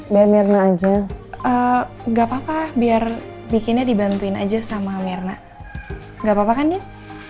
biar mirna aja enggak papa biar bikinnya dibantuin aja sama mirna enggak papa kan